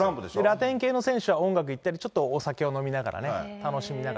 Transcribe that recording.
ラテン系の選手は音楽いったり、ちょっとお酒を飲みながら、楽しみながら。